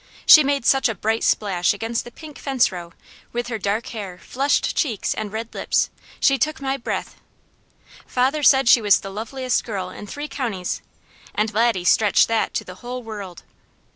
She made such a bright splash against the pink fence row, with her dark hair, flushed cheeks, and red lips, she took my breath. Father said she was the loveliest girl in three counties, and Laddie stretched that to the whole world.